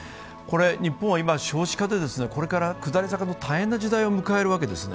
日本は今、少子化でこれから下り坂の大変な時代を迎えるわけです。